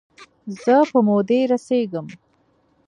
زه په مودې رسیږم